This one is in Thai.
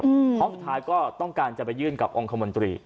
เพราะสุดท้ายก็ต้องการจะไปยื่นกับองค์คมนตรี